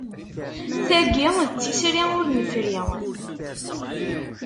Tagi d tisri ur nefri.